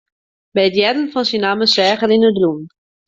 By it hearren fan syn namme seach er yn it rûn.